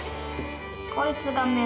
こいつが雌。